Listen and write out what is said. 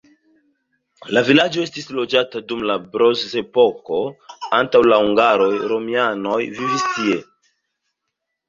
La vilaĝo estis loĝata dum la bronzepoko, antaŭ la hungaroj romianoj vivis tie.